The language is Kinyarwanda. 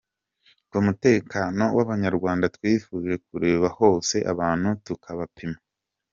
Ku mutekano w’abanyarwanda twifuje kureba hose, abantu tukabapima.